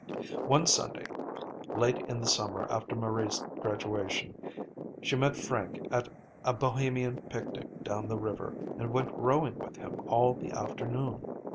One Sunday, late in the summer after Marie's graduation, she met Frank at a Bohemian picnic down the river and went rowing with him all the afternoon.